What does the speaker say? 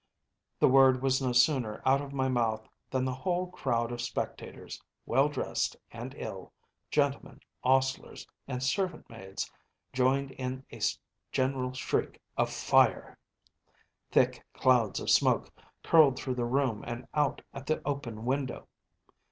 ‚ÄĚ The word was no sooner out of my mouth than the whole crowd of spectators, well dressed and ill‚ÄĒgentlemen, ostlers, and servant maids‚ÄĒjoined in a general shriek of ‚ÄúFire!‚ÄĚ Thick clouds of smoke curled through the room and out at the open window.